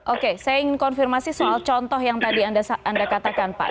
oke saya ingin konfirmasi soal contoh yang tadi anda katakan pak